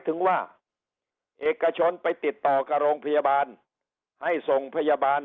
ถึงว่าเอกชนไปติดต่อกับโรงพยาบาลให้ส่งพยาบาล